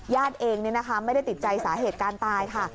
ญาติเองเนี่ยนะคะไม่ได้ติดใจสาเหตุการณ์ตายค่ะ